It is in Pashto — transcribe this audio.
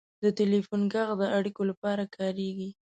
• د ټلیفون ږغ د اړیکې لپاره کارېږي.